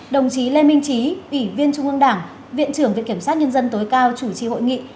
đồng chí lê minh trí ủy viên trung ương đảng viện trưởng viện kiểm sát nhân dân tối cao chủ trì hội nghị